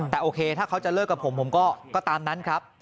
แต่โอเคถ้าเขาจะเลิกกับผมผมก็ตามนั้นครับ